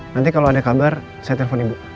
nanti kalau ada kabar saya telpon ibu